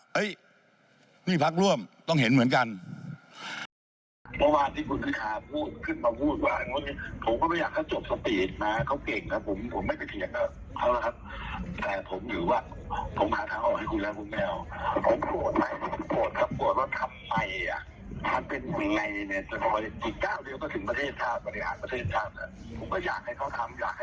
ว่าเอิญลองรู้สิมันจะภาคประกาศ